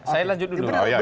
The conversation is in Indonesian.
saya lanjut dulu